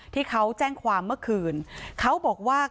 ที่เขาแจ้งความเมื่อคืนเขาบอกว่า